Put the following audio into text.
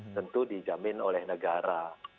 tentu dijamin oleh negara